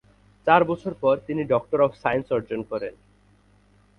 চার বছর পর তিনি ডক্টর অব সায়েন্স অর্জন করেন।